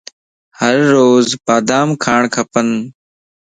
ھر روز بادام کاڻ کپن